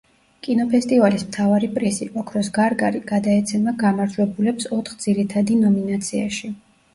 კინოფესტივალის მთავარი პრიზი, ოქროს გარგარი გადაეცემა გამარჯვებულებს ოთხ ძირითადი ნომინაციაში.